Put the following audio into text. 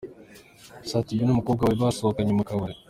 Sat B n'umukobwa bari basohokanye mu kabari.